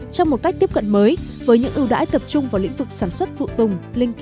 trong một cách tiếp cận mới với những ưu đãi tập trung